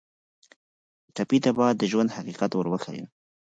ټپي ته باید د ژوند حقیقت ور وښیو.